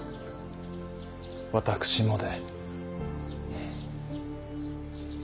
私もで。